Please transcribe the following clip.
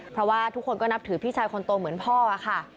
เพราะว่าทุกคนก็นับถือพี่ชายคนโตเหมือนพ่อค่ะ